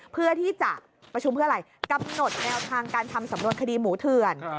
เพื่อที่จะกำหนดแนวทางการทำสำนวนคดีหมูเถื่อน